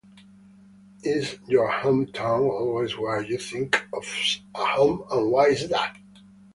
Is your hometown always where you think of as home and why is that?